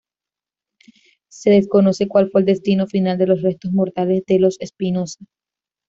Se desconoce cual fue el destino final de los restos mortales de los Espinosa.